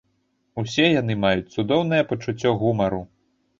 Усе яны маюць цудоўнае пачуццё гумару.